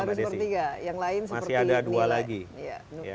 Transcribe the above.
baru sepertiga yang lain seperti nilai gizinya